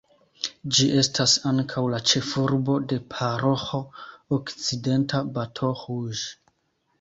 Ĝi estas ankaŭ la ĉefurbo de Paroĥo Okcidenta Baton Rouge.